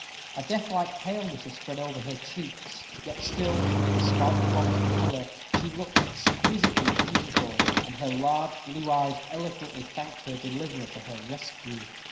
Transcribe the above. A deathlike paleness had spread over her cheeks; yet still, despite the want of color, she looked exquisitely beautiful, and her large blue eyes eloquently thanked her deliverer for her rescue.